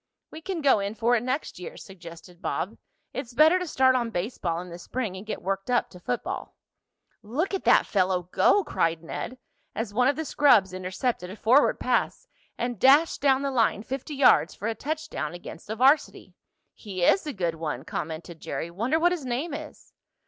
"We can go in for it next year," suggested Bob. "It's better to start on baseball in the spring and get worked up to football." "Look at that fellow go!" cried Ned, as one of the scrubs intercepted a forward pass, and dashed down the line fifty yards for a touchdown against the varsity. "He is a good one," commented Jerry. "Wonder what his name is."